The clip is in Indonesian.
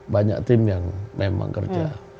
banyak tim yang memang kerja